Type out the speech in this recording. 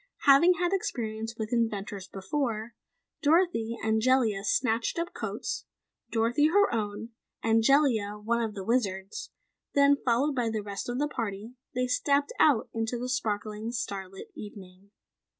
Having had experience with inventors before, Dorothy and Jellia snatched up coats, Dorothy, her own, and Jellia, one of the Wizard's. Then, followed by the rest of the party, they stepped out into the sparkling, starlit evening.